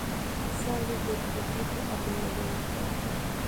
Sale del equipo a final de año.